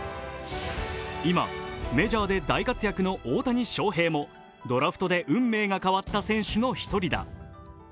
今、メジャーで大活躍の大谷翔平もドラフトで運命が代わった選手の一人だ。